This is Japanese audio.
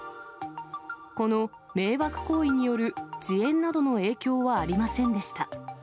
この迷惑行為による遅延などの影響はありませんでした。